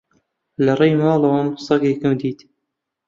لە ڕێی ماڵەوەم سەگێکم دیت.